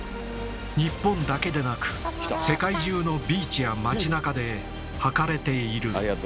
日本だけでなく世界中のビーチや街なかで履かれている。